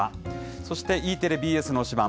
そしてＥテレ、ＢＳの推しバン！